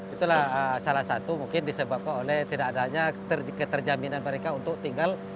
itulah salah satu mungkin disebabkan oleh tidak adanya keterjaminan mereka untuk tinggal